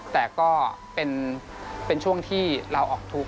แต่ก็เป็นช่วงที่เราออกทุกข